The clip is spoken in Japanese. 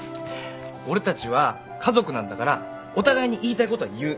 俺たちは家族なんだからお互いに言いたいことは言う。